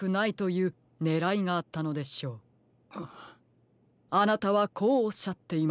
あなたはこうおっしゃっていました。